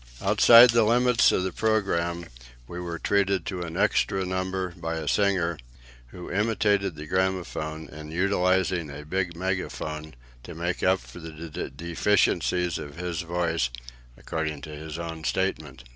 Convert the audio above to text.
Outside the limits of the programme we were treated to an extra number by a singer, who imitated the gramophone in utilizing a big megaphone, to make up for the deficiencies of his voice according to his own statement.